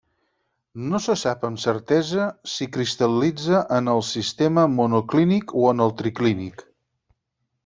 No se sap amb certesa si cristal·litza en el sistema monoclínic o en el triclínic.